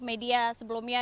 kepada awak media sebelumnya